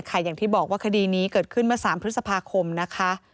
อย่างที่บอกว่าคดีนี้เกิดขึ้นเมื่อ๓พฤษภาคมนะคะ